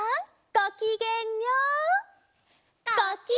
ごきげんよう！